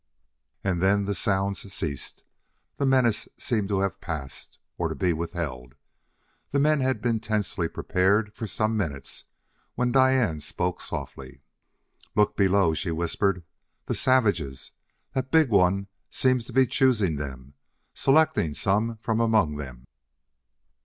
And then the sounds ceased. The menace seemed to have passed, or to be withheld; the men had been tensely prepared for some minutes when Diane spoke softly. "Look below," she whispered; "the savages! That big one seems to be choosing them selecting some from among them."